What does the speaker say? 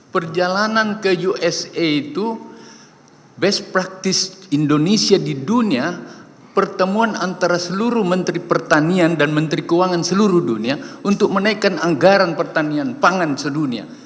perjalanan ke usa itu best practice indonesia di dunia pertemuan antara seluruh menteri pertanian dan menteri keuangan seluruh dunia untuk menaikkan anggaran pertanian pangan sedunia